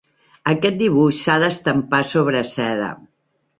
Aquest dibuix s'ha d'estampar sobre seda.